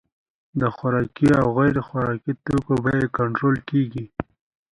د خوراکي او غیر خوراکي توکو بیې کنټرول کیږي.